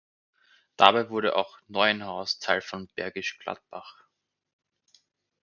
Dabei wurde auch Neuenhaus Teil von Bergisch Gladbach.